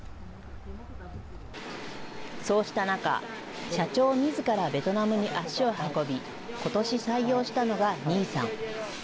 そうした中、社長みずからベトナムに足を運び、ことし採用したのがニーさん。